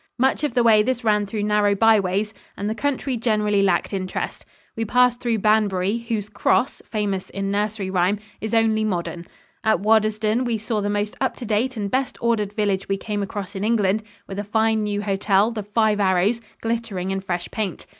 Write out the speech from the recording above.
Much of the way this ran through narrow byways and the country generally lacked interest. We passed through Banbury, whose cross, famous in nursery rhyme, is only modern. At Waddesdon we saw the most up to date and best ordered village we came across in England, with a fine new hotel, the Five Arrows, glittering in fresh paint.